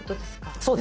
そうです。